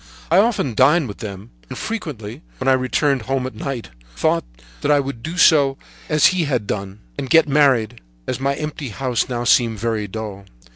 I often dined with them, and frequently, when I returned home at night, thought that I would do as he had done, and get married, as my empty house now seemed very dull.